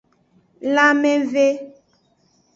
Lanmeve.